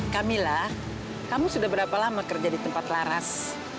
camilla kamu sudah berapa lama kerja di tempat laras